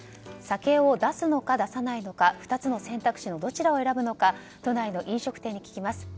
酒を出すのか出さないのか２つの選択肢のどちらを選ぶのか都内の飲食店に聞きます。